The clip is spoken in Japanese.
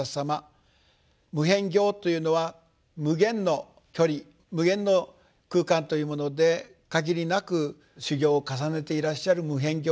「無辺行」というのは無限の距離無限の空間というもので限りなく修行を重ねていらっしゃる無辺行菩薩。